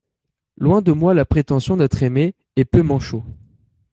Loin de moi la prétention d'être aimé, et peut m'en chaut!